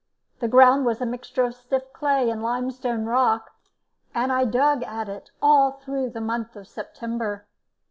The ground was a mixture of stiff clay and limestone rock, and I dug at it all through the month of September.